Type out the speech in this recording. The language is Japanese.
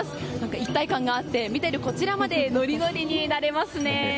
一体感があって見ているこちらまでノリノリになれますね。